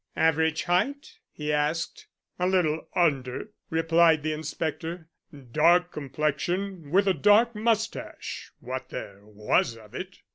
"Average height?" he asked. "A little under," replied the inspector. "Dark complexion with a dark moustache what there was of it."